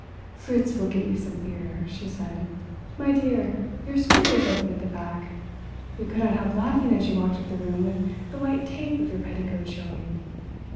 "Fritz will get you some beer," she said. "My dear, your skirt is open at the back. We could not help laughing as you walked up the room with the white tape of your petticoat showing!"